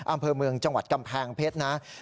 อำเภอเมืองจังหวัดกำแพงเพชรนะ